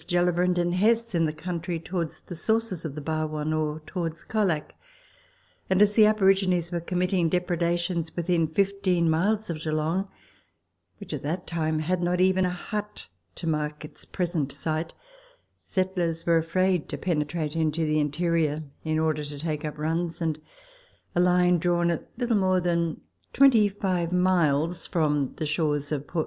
Gellibrand and Hesse in the country towards the sources of the Barwon, or towards Colac ; and as the aborigines were committing depredations within fifteen miles of Geelong (which at that time had not even a hut to mark its present site), settlers were afraid to penetrate into the interior in order to take up runs, and a line drawn at little more than 25 miles from the shores of Port Letters from Victorian Pioneers. .